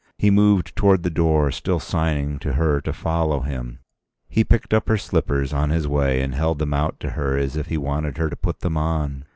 He moved towards the door, still signing to her to follow him. He picked up her slippers on his way and held them out to her as if he wanted her to put them on.